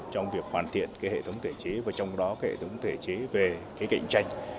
trong việc hoàn thiện hệ thống thể chế và trong đó hệ thống thể chế về cạnh tranh